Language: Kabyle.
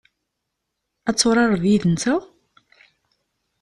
Ad turareḍ yid-nteɣ?